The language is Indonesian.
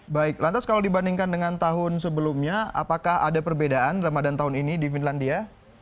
baik lantas kalau dibandingkan dengan tahun sebelumnya apakah ada perbedaan ramadan tahun ini di finlandia